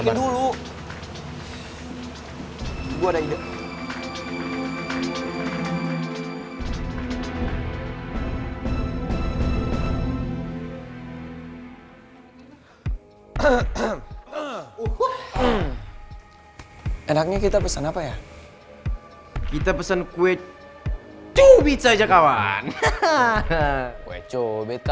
krayoknya anak sebelah siva dua